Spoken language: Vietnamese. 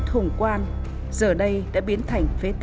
những bức tường mục nát